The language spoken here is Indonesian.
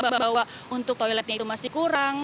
bahwa untuk toiletnya itu masih kurang